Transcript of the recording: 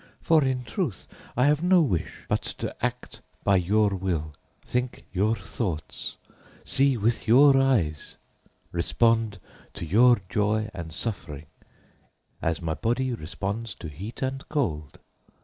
For in truth I have no wish but to act by your will, think your thoughts, see with your eyes, respond to your joy and suffering, as my body responds to heat and cold.